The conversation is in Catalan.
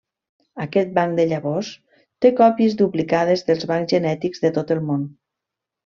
Aquest banc de llavors té còpies duplicades dels bancs genètics de tot el món.